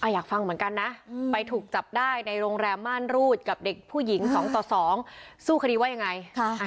อยากฟังเหมือนกันนะไปถูกจับได้ในโรงแรมม่านรูดกับเด็กผู้หญิง๒ต่อ๒สู้คดีว่ายังไง